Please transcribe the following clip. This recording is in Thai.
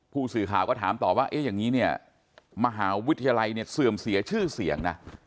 ผู้สื่อข่าวก็ถามต่อว่าเอ๊ะอย่างนี้เนี่ยมหาวิทยาลัยเนี่ยเสื่อมเสียชื่อเสียงนะ